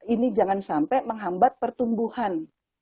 ini jangan sampai menghambat pertumbuhan